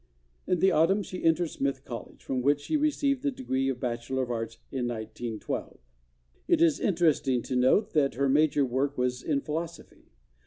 In the autumn she entered Smith College, from which she received the degree of Bachelor of Arts in 1912. It is interesting to note 9 Introduction that her major work was in Philosophy.